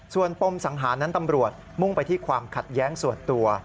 ส่วนปมสังหารนั้นตำรวจมุ่งไปที่ความขัดแย้งส่วนตัว